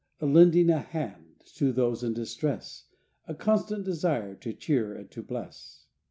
A "lending a hand" to those in distress, A constant desire to cheer and to bless.